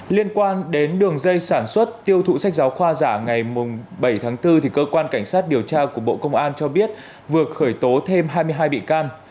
liên quan đến đường dây sản xuất tiêu thụ sách giáo khoa giả ngày bảy tháng bốn cơ quan cảnh sát điều tra của bộ công an cho biết vừa khởi tố thêm hai mươi hai bị can